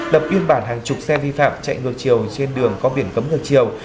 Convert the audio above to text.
đập yên bản hàng chục xe vi phạm chạy ngược chiều trên đường có biển cấm ngược chiều